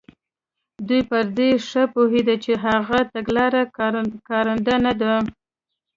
دوی پر دې ښه پوهېدل چې دغه تګلارې کارنده نه دي.